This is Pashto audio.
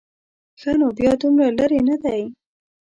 ښه نو بیا دومره لرې نه دی.